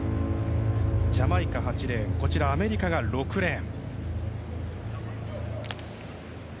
ジャマイカ、８レーンアメリカが６レーン。